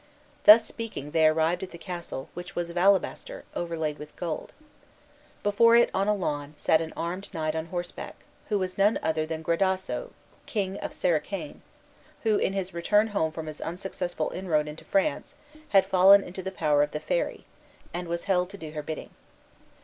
Thus speaking they arrived at the castle, which was of alabaster, overlaid with gold. Before it, on a lawn, sat an armed knight on horseback, who was none other than Gradasso, king of Sericane, who, in his return home from his unsuccessful inroad into France, had fallen into the power of the fairy, and was held to do her bidding.